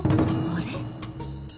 あれ？